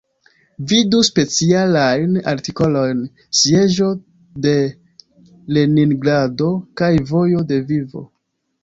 Vidu specialajn artikolojn: Sieĝo de Leningrado kaj Vojo de Vivo.